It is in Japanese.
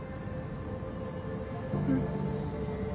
うん。